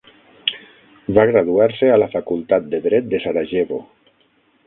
Va graduar-se a la Facultat de Dret de Sarajevo.